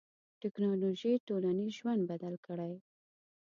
ټکنالوژي ټولنیز ژوند بدل کړی.